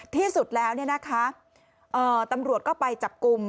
ที่สุดแล้วตำรวจก็ไปจับกลุ่ม